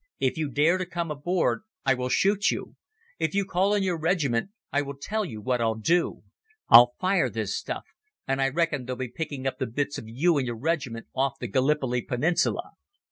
If you dare to come aboard I will shoot you. If you call in your regiment I will tell you what I'll do. I'll fire this stuff, and I reckon they'll be picking up the bits of you and your regiment off the Gallipoli Peninsula."